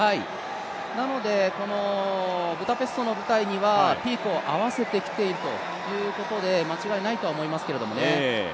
なのでブダペストの舞台にはピークを合わせてきているということで間違いないとは思いますけれどもね。